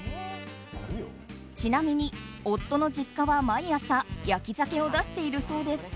ちなみに夫の実家は毎朝焼き鮭を出しているそうです。